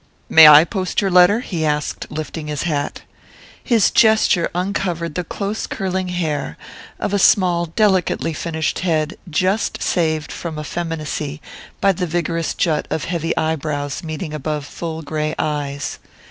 "May I post your letter?" he asked, lifting his hat. His gesture uncovered the close curling hair of a small delicately finished head just saved from effeminacy by the vigorous jut of heavy eye brows meeting above full grey eyes.